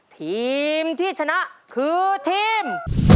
ทีมที่ชนะคือทีม